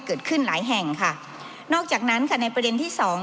เกิดขึ้นหลายแห่งค่ะนอกจากนั้นค่ะในประเด็นที่สอง